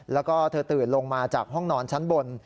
แล้วก็เธอตื่นลงมาจากห้องนอนชั้นบน